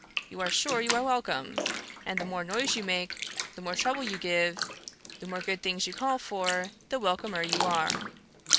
You are sure you are welcome: and the more noise you make, the more trouble you give, the more good things you call for, the welcomer you are.